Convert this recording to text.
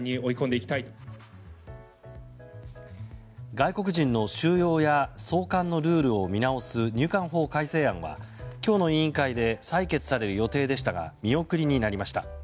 外国人の収容や送還のルールを見直す入管法改正案は今日の委員会で採決される予定でしたが見送りになりました。